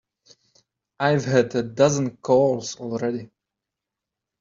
I've had a dozen calls already.